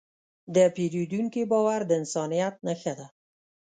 د پیرودونکي باور د انسانیت نښه ده.